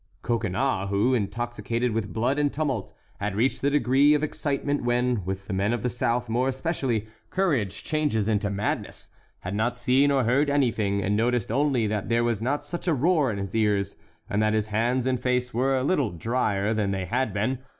Coconnas who, intoxicated with blood and tumult, had reached that degree of excitement when, with the men of the south more especially, courage changes into madness, had not seen or heard anything, and noticed only that there was not such a roar in his ears, and that his hands and face were a little dryer than they had been.